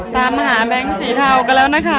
ตัดหมหาแบงค์ศรีทัวกันแล้วนะคะ